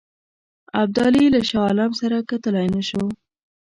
ابدالي له شاه عالم سره کتلای نه شو.